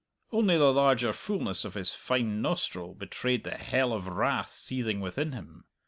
Only the larger fullness of his fine nostril betrayed the hell of wrath seething within him.